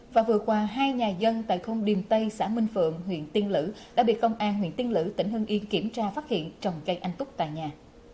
và vừa qua hai nhà dân tại không điềm tây xã minh phượng huyện tiên lữ đã bị công an huyện tiên lữ tỉnh hưng yên kiểm tra phát hiện trồng cây anh túc tại nhà